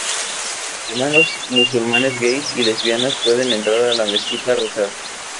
Además, los musulmanes gays y lesbianas pueden entrar a la mezquita a rezar.